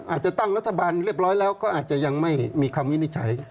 อาจจะตั้งรัฐบาลเรียบร้อยแล้วก็อาจจะยังไม่มีคำวินิจฉัย